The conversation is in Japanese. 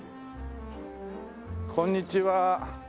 こんにちは。